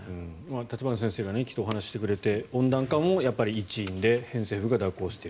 立花先生がお話ししてくれて温暖化も一因で偏西風が蛇行している。